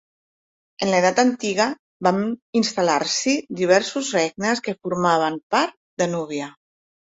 En l'edat antiga, van instal·lar-s'hi diversos regnes, que formaven part de Núbia.